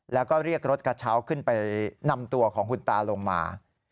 แล้วก็เรียกรถกระเช้าขึ้นไปนำตัวของคุณตาลงมา